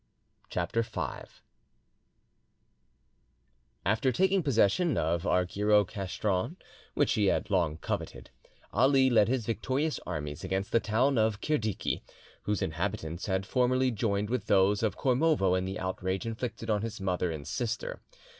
CHAPTER V After taking possession of Argyro Castron, which he had long coveted, Ali led his victorious army against the town of Kardiki, whose inhabitants had formerly joined with those of Kormovo in the outrage inflicted on his mother and sister.